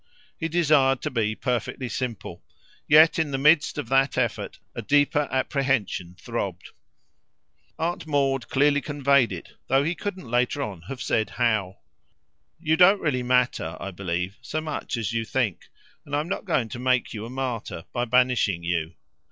He desired to be perfectly simple, yet in the midst of that effort a deeper apprehension throbbed. Aunt Maud clearly conveyed it, though he couldn't later on have said how. "You don't really matter, I believe, so much as you think, and I'm not going to make you a martyr by banishing you.